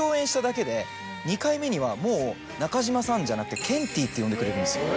２回目にはもう「中島さん」じゃなくて。って呼んでくれるんですよ。